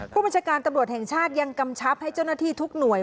ผู้บัญชาการตำรวจแห่งชาติยังกำชับให้เจ้าหน้าที่ทุกหน่วย